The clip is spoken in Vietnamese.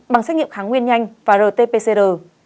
bằng xét nghiệm kháng nguyên nhanh và rt pcr